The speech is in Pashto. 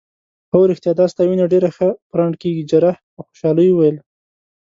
هو ریښتیا دا ستا وینه ډیره ښه پرنډ کیږي. جراح په خوشحالۍ وویل.